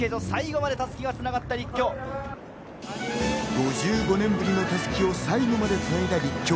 ５５年ぶりの襷を最後までつないだ立教。